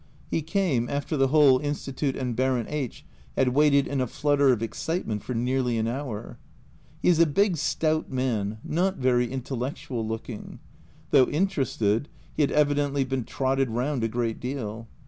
He came, after the whole Institute and Baron H had waited in a flutter of excitement for nearly an hour ; he is a big stout man, not very intellectual looking. Though interested he had evidently been trotted round a great deal.